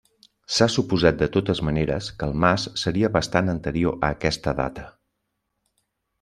S'ha suposat de totes maneres que el mas seria bastant anterior a aquesta data.